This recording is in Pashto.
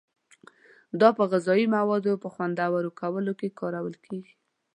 دا په غذایي موادو په خوندور کولو کې کارول کیږي.